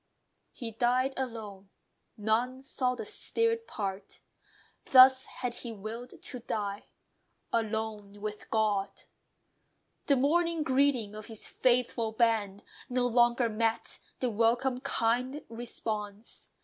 He died alone: none saw the spirit part. Thus had he willed to die; alone with GOD. The morning greeting of his faithful band No longer met the welcome, kind response.